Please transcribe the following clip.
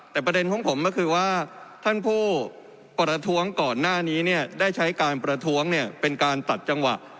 แต่ประเด็นของผมก็คือว่าท่านผู้ประท้วงก่อนหน้านี้ได้ใช้การประท้วงเป็นการตัดจังหวะ